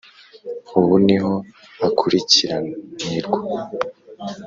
Ubu niho akurikiranirwa